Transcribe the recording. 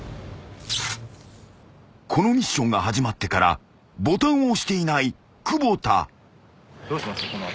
［このミッションが始まってからボタンを押していない久保田］